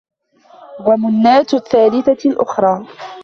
ومناة الثالثة الأخرى